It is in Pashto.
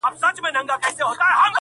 هم قاري سو هم یې ټول قرآن په یاد کړ!!